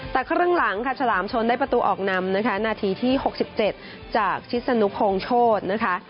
แต่ข้างหลังฉลามชนได้ประตูออกนำนาทีที่๖๗จากชิดสนุกโฮงโชฎ